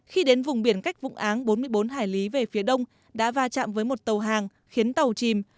khi đến vùng biển cách vũng áng bốn mươi bốn hải lý về phía đông đã va chạm với một tàu hàng khiến tàu chìm